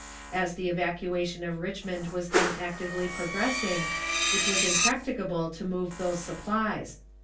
As the evacuation of Richmond was then actively progressing, it was impracticable to move those supplies.